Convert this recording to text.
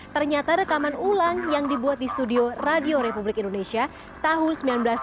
ternyata rekaman ulang yang dibuat di studio radio republik indonesia tahun seribu sembilan ratus sembilan puluh